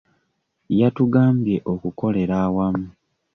Yatugambye okukolera awamu.